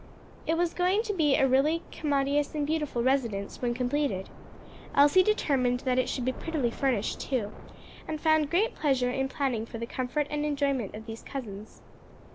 It was going to be a really commodious and beautiful residence when completed. Elsie determined that it should be prettily furnished, too, and found great pleasure in planning for the comfort and enjoyment of these cousins.